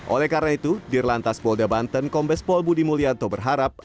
oleh karena itu dirlantas polda banten kombes pol budi mulyanto berharap